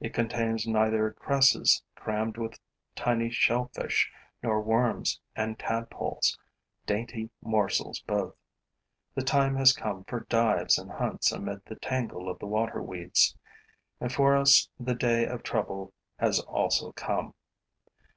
It contains neither cresses crammed with tiny shellfish nor worms and tadpoles, dainty morsels both. The time has come for dives and hunts amid the tangle of the water weeds; and for us the day of trouble has also come.